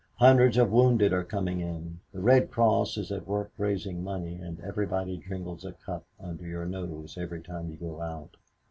Hundreds of wounded are coming in. The Red Cross is at work raising money, and somebody jingles a cup under your nose every time you go out.